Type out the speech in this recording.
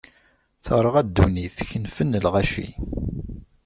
Terɣa ddunit, kenfen lɣaci.